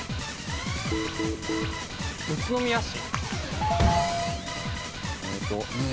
宇都宮市。